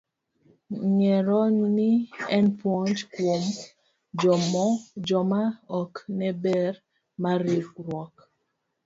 Ng'ero ni en puonj kuom joma ok ne ber mar riwruok.